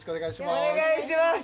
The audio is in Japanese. お願いします。